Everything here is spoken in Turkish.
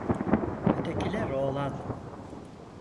Ötekiler oğlan.